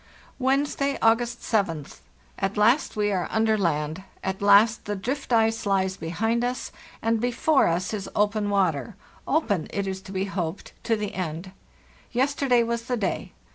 "Wednesday, August 7th. At last we are under land; at last the drift ice les behind us, and before us is open water—open, it is to be hoped, to the end. ves terday was the day.